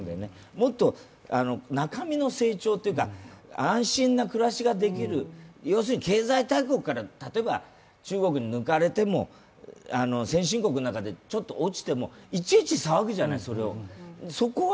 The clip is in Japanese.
もっと、中身の成長というか安心な暮らしができる要するに経済大国から中国に抜かれても、先進国の中でちょっと落ちても、いちいち騒ぐじゃない、そこを。